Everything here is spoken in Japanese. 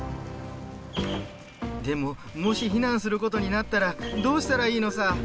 でももし避難する事になったらどうしたらいいのさ？